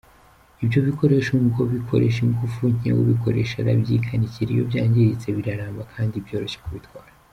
Ibyo bikoresho ngo bikoresha ingufu nke, ubikoresha arabyikanikira iyo byangiritse, biraramba kandi byoroshye kubitwara.